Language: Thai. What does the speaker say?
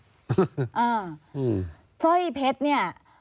โดยเจ้าเหมือนก้าว